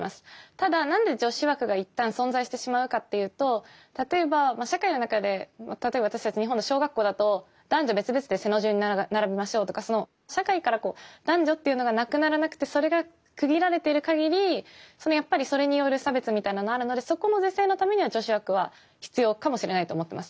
ただなんで女子枠が一旦存在してしまうかっていうと例えば社会の中で例えば私たち日本の小学校だと男女別々で背の順に並びましょうとか社会から男女っていうのがなくならなくてそれが区切られてるかぎりやっぱりそれによる差別みたいなのはあるのでそこの是正のためには女子枠は必要かもしれないと思ってます。